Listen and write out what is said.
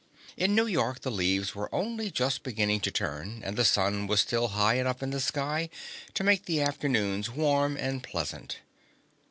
In New York, the leaves were only just beginning to turn, and the sun was still high enough in the sky to make the afternoons warm and pleasant.